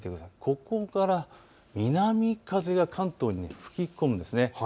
ここから南風が関東に吹き込むんです。